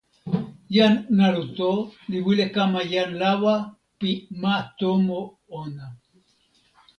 jan Naluto li wile kama jan lawa pi ma tomo ona.